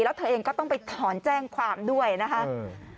แล้วเธอเองก็ต้องไปถอนแจ้งความด้วยนะคะอืม